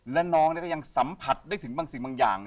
และน้องก็ยังสัมผัสได้ถึงบางสิ่งบางอย่าง